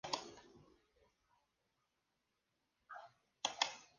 Por sus diseños obtiene varios premios como la Medalla de Oro.